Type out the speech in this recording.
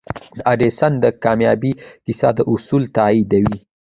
د ايډېسن د کاميابۍ کيسه دا اصول تاييدوي.